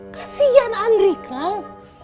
kasian andri kang